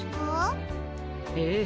ええ。